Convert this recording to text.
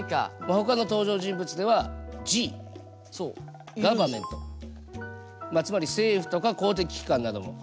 ほかの登場人物ではＧガバメントつまり政府とか公的機関などもある。